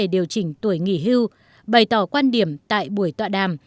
vấn đề điều chỉnh tuổi nghỉ hưu bày tỏ quan điểm tại buổi tọa đàm